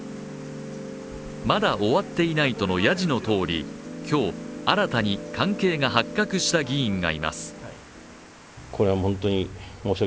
まだ終わっていないとのやじのとおり今日、新たに関係が発覚した議員がいます。